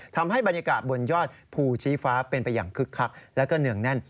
ทำให้บรรยากาศบนยอดภูชีฟ้าเป็นไปอย่างคึกคักแล้วก็เนื่องแน่น